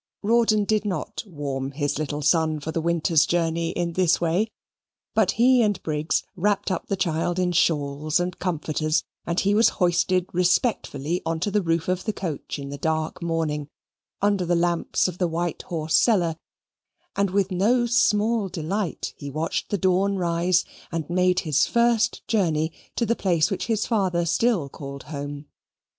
Rawdon did not warm his little son for the winter's journey in this way, but he and Briggs wrapped up the child in shawls and comforters, and he was hoisted respectfully onto the roof of the coach in the dark morning, under the lamps of the White Horse Cellar; and with no small delight he watched the dawn rise and made his first journey to the place which his father still called home.